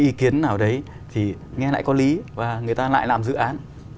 những cái ý kiến nào đấy thì nghe lại có lý và người ta lại làm dự án